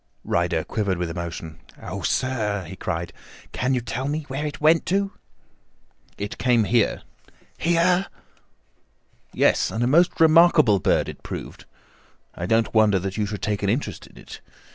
Ryder quivered with emotion. "Oh, sir," he cried, "can you tell me where it went to?" "It came here." "Here?" "Yes, and a most remarkable bird it proved. I don't wonder that you should take an interest in it.